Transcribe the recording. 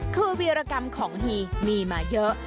คือวีรกรรมของฮีมีมาเยอะ